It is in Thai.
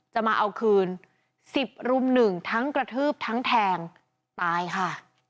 จะมาเอาคืน๑๐รุม๑ทั้งกระทืบทั้งแทงตายค่ะ